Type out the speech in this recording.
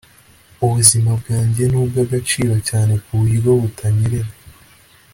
ubuzima bwanjye ni ubw'agaciro cyane ku buryo butanyerera